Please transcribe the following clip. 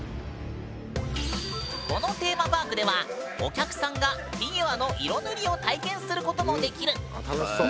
このテーマパークではお客さんがフィギュアの色塗りを体験することもできる。